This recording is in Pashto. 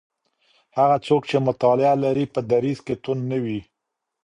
هغه څوک چي مطالعه لري په دریځ کي توند نه وي.